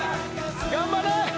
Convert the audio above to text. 頑張れ！